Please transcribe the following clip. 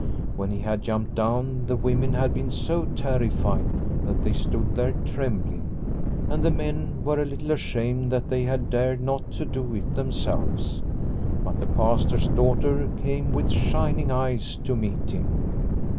When he had jumped down, the women had been so terrified that they stood there trembling, and the men were a little ashamed that they had The Fox pit 125 dared not to do it themselves. But the Pastor's daughter came with shining eyes to meet him.